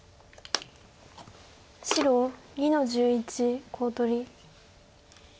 白２の十一コウ取り。